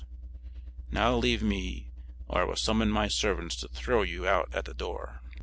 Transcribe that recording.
Now leave me or I will summon my servants to throw you out at the door."